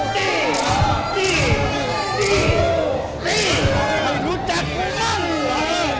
ถ้าไม่รู้จักประหลาด